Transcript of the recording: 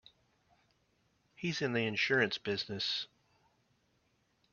He's in the insurance business.